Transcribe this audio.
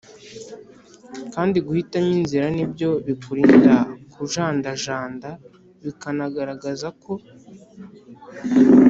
kandi guhitamo inzira ni byo bikurinda kujandajanda, bikanagaragaza ko